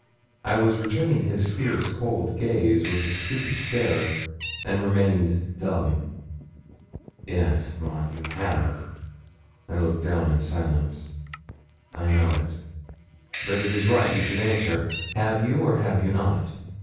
I was returning his fierce cold gaze with a stupid stare, and remained dumb. 'Yes, Maud, you have.' I looked down in silence. 'I know it; but it is right you should answer; have you or have you not?'